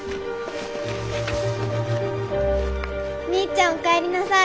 お兄ちゃんお帰りなさい。